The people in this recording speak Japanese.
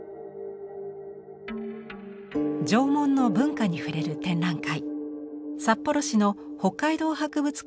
縄文の文化に触れる展覧会。